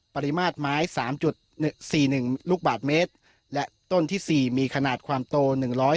ปริมาตรไม้สามจุดสี่หนึ่งลูกบาทเมตรและต้นที่สี่มีขนาดความโตหนึ่งร้อย